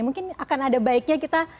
mungkin akan ada baiknya kita